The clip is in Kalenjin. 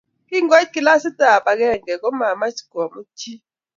Kingoit kilasitab agenge akomamach komut chi